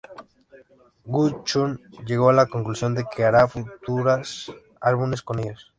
Wu Chun llegó a la conclusión de que hará futuros álbumes con ellos.